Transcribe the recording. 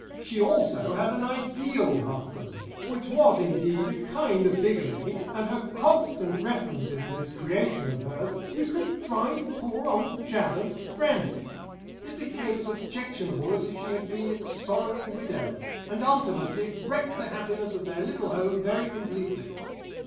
She also had an ideal husband, which was, indeed, a kind of bigamy, and her constant references to this creation of hers used to drive poor old Javvers frantic. It became as objectionable as if she had been its sorrowing widow, and ultimately it wrecked the happiness of their little home very completely.